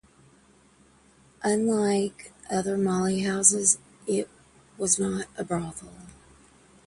Unlike other molly houses, it was not a brothel.